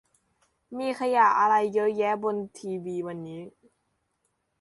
มีขยะอะไรเยอะแยะบนทีวีวันนี้